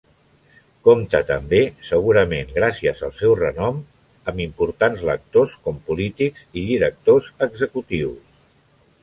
Compta també, segurament gràcies al seu renom, amb importants lectors com polítics i directors executius.